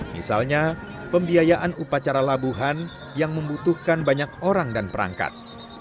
misalnya pembiayaan upacara labuhan yang membutuhkan banyak orang dan perangkat